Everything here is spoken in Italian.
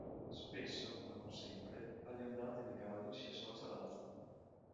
Spesso, ma non sempre, alle ondate di caldo si associa l'afa.